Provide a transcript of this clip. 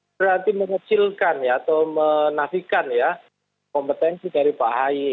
berarti mengecilkan ya atau menafikan ya kompetensi dari pak ahy